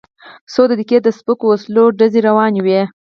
څو دقیقې د سپکو وسلو ډزې روانې وې.